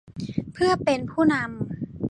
เพื่อเป็นผู้นำ